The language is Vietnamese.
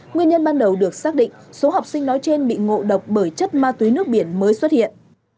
nguyên nhân ban đầu được xác định số học sinh nói trên bị ngộ độc bởi chất ma túy nước biển mới xuất hiện